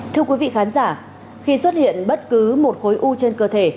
thưa quý vị khán giả khi xuất hiện bất cứ một khối u trên cơ thể